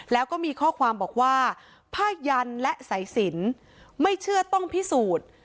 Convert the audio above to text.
แล้วก็มีข้อความบอกว่าผ้ายันและสายสินไม่เชื่อต้องพิสูจน์